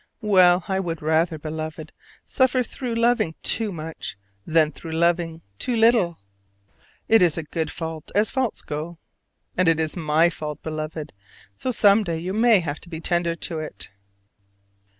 Well, I would rather, Beloved, suffer through loving too much, than through loving too little. It is a good fault as faults go. And it is my fault, Beloved: so some day you may have to be tender to it.